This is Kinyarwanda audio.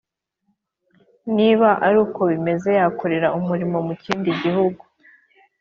Niba ari uko bimeze yakorera umurimo mu kindi gihugu